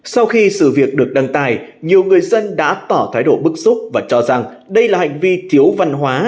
sau khi sự việc được đăng tải nhiều người dân đã tỏ thái độ bức xúc và cho rằng đây là hành vi thiếu văn hóa